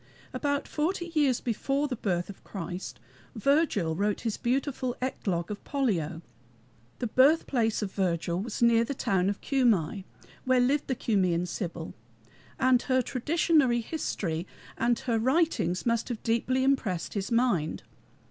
About forty years before the birth of Christ, Virgil wrote his beautiful Eclogue of Pollio. The birthplace of Virgil was near the town of Cumæ, where lived the Cumæan Sibyl, and her traditionary history and her writings must have deeply impressed his mind.